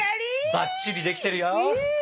ばっちりできてるよ！